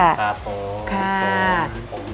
สวัสดีค่ะผม